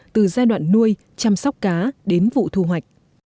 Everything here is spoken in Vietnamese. từ giai đoạn nuôi chăm sóc cá đến vụ thu hoạch